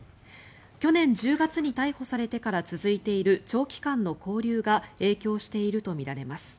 去年１０月に逮捕されてから続いている長期間の勾留が影響しているとみられます。